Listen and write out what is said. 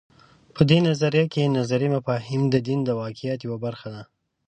په دې نظریه کې نظري مفاهیم د دین د واقعیت یوه برخه ده.